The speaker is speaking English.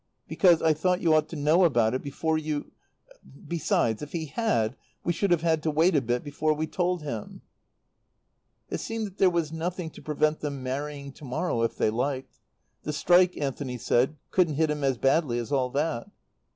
"Because I thought you ought to know about it before you Besides, if he had, we should have had to wait a bit before we told him." It seemed that there was nothing to prevent them marrying to morrow if they liked. The strike, Anthony said, couldn't hit him as badly as all that.